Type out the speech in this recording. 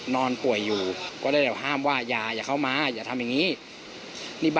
นอนป่วยอยู่ก็ได้แต่ห้ามว่าอย่าเข้ามาอย่าทำอย่างนี้